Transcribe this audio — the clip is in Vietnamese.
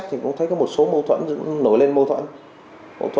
thì qua toàn bộ cái nội dung